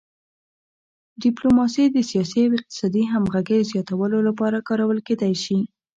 ډیپلوماسي د سیاسي او اقتصادي همغږۍ زیاتولو لپاره کارول کیدی شي